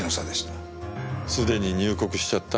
既に入国しちゃった？